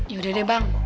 yaudah deh bang